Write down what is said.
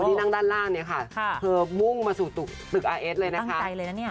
ที่นั่งด้านล่างเนี่ยค่ะเธอมุ่งมาสู่ตึกอาร์เอสเลยนะคะไกลเลยนะเนี่ย